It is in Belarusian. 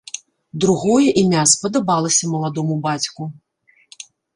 Другое імя спадабалася маладому бацьку.